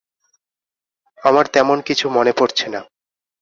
আমার তেমন কিছু মনে পড়ছে না।